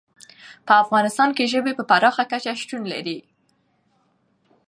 په افغانستان کې ژبې په پراخه کچه شتون لري.